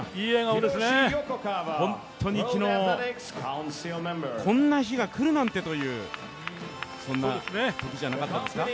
本当に昨日、こんな日が来るなんてというそんな時じゃなかったですか。